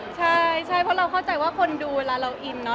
ใช่ใช่เพราะเราเข้าใจว่าคนดูเวลาเราอินเนอ